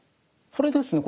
これですね